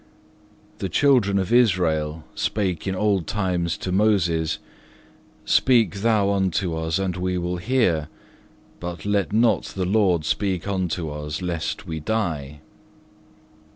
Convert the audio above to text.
The children of Israel spake in old time to Moses, Speak thou unto us and we will hear, but let not the Lord speak unto us lest we die.